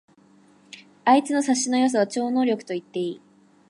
あいつの察しの良さは超能力と言っていい